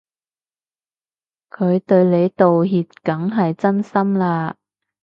佢對你道歉梗係真心啦